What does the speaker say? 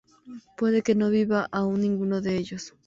Puede que no viva aún ninguno de ellos.